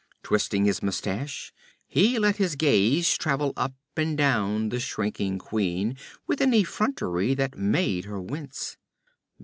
Twisting his mustache, he let his gaze travel up and down the shrinking queen with an effrontery that made her wince.